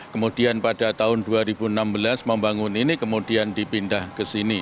kemudian pada tahun dua ribu enam belas membangun ini kemudian dipindah ke sini